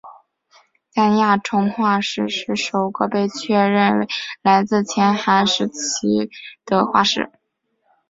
加尼亚虫化石是首个被确认为来自前寒武纪时期的化石。